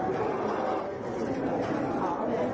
โปรดติดตามตอนต่อไป